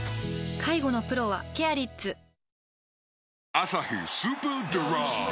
「アサヒスーパードライ」